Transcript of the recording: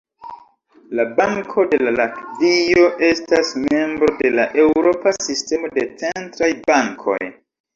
La Banko de Latvio estas membro de la Eŭropa Sistemo de Centraj Bankoj.